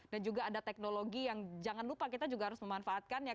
dan juga ada teknologi yang jangan lupa kita juga harus memanfaatkannya